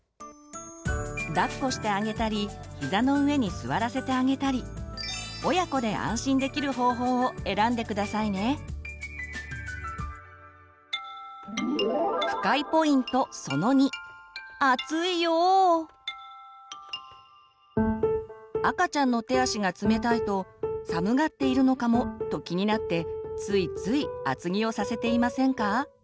だっこしてあげたりひざの上に座らせてあげたり親子で赤ちゃんの手足が冷たいと「寒がっているのかも？」と気になってついつい厚着をさせていませんか？